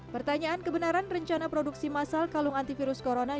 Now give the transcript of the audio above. pertanyaan kebenaran rencana produksi masal kalung antivirus corona